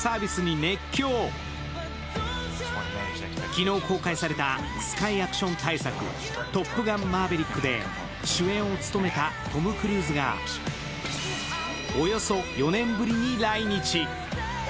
昨日公開されたスカイアクション大作「トップガンマーヴェリック」で主演を務めたトム・クルーズがおよそ４年ぶりに来日。